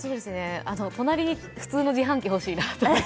隣に普通の自販機欲しいです。